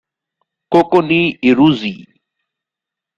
Koko ni Iruzee!